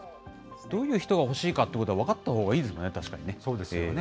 どういう人が欲しいかということが分かったほうがいいですよ